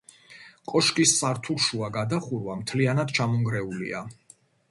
კოშკის სართულშუა გადახურვა მთლიანად ჩამონგრეულია.